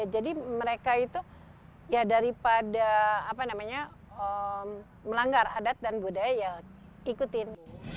jadi mereka itu ya daripada melanggar adat dan budaya ya ikutin